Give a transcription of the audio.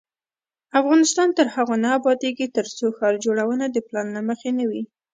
افغانستان تر هغو نه ابادیږي، ترڅو ښار جوړونه د پلان له مخې نه وي.